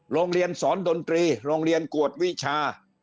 โรงเรียนสอนดนตรีโรงเรียนกวดวิชา